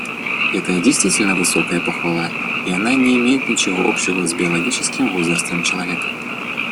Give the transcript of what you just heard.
Это действительно высокая похвала, и она не имеет ничего общего с биологическим возрастом человека.